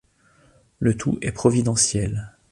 Le Tout est providentiel.